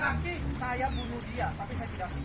saya bunuh dia tapi saya tidak siksa